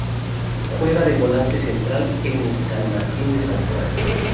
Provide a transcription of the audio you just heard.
Juega de volante central en el San Martín de San Juan.